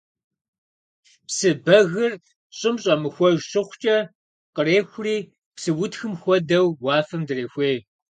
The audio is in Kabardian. Псы бэгыр щӀым щӀэмыхуэж щыхъукӀэ, кърехури, псыутхым хуэдэу уафэм дрехуей.